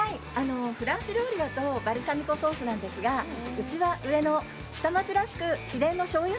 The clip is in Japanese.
フランス料理だとバルサミコ酢ソースなんですがうちは上野、下町らしく秘伝のしょうゆ